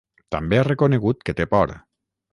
També ha reconegut que té por.